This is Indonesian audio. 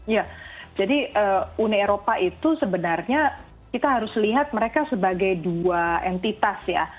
ya jadi uni eropa itu sebenarnya kita harus lihat mereka sebagai dua entitas ya